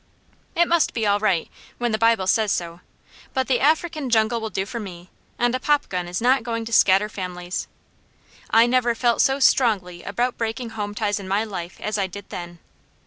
It must be all right, when the Bible says so, but the African Jungle will do for me, and a popgun is not going to scatter families. I never felt so strongly about breaking home ties in my life as I did then.